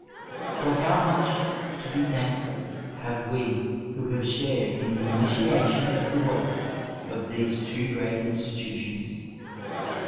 For how much to be thankful have we who have shared in the initiation of the work of these two great institutions.